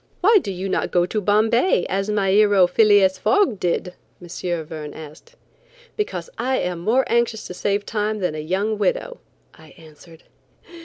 "Why do you not go to Bombay as my hero Phileas Fogg did?" M. Verne asked. "Because I am more anxious to save time than a young widow," I answered.